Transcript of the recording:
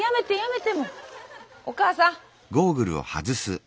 お母さん。